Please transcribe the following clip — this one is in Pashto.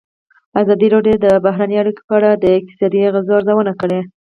ازادي راډیو د بهرنۍ اړیکې په اړه د اقتصادي اغېزو ارزونه کړې.